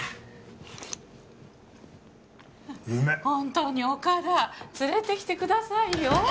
本当にオカダ連れてきてくださいよ。